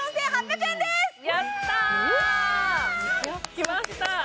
きました